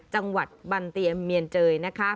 จังหวัดบันเตียเมียนเจยนะคะ